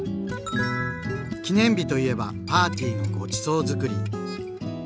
記念日といえばパーティーのごちそうづくり。